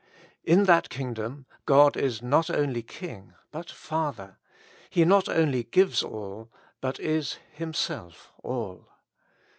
In that kingdom God is not only King, but Father ; He not only gives all, but is Himself all.